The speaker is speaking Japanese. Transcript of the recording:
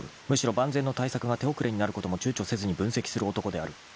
［むしろ万全の対策が手遅れになることもちゅうちょせずに分析する男である］